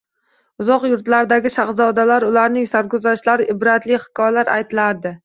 Uzoq yurtlardagi shaxzodalar, ularning sarguzashtlari, ibratli hikoyalar aytilardi...